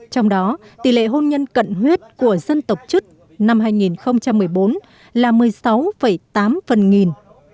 trong đó tỷ lệ hôn nhân cận huyết của dân tộc chức năm hai nghìn một mươi bốn là một mươi sáu tám phần nghìn